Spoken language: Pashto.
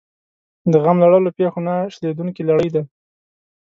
د غم لړلو پېښو نه شلېدونکې لړۍ ده.